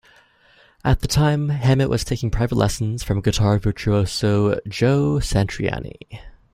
At the time, Hammett was taking private lessons from guitar virtuoso Joe Satriani.